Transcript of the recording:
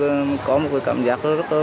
quay lại đà nẵng có cảm giác rất vui và hữu hưi